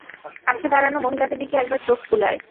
কাছে দাঁড়ানো মহিলাদের দিকে একবার চোখ বুলায়।